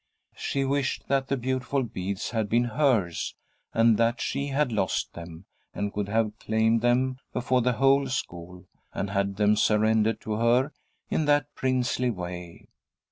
She wished that the beautiful beads had been hers, and that she had lost them, and could have claimed them before the whole school, and had them surrendered to her in that princely way.